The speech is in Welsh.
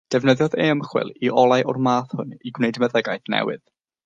Defnyddiodd ei ymchwil i olau o'r math hwn i greu meddygaeth newydd.